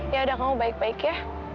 ya udah kamu baik baik ya